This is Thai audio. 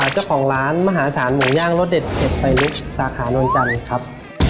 เจ้าของร้านมหาศาลหมูย่างรสเด็ดเผ็ดไฟลุกสาขานวลจันทร์ครับ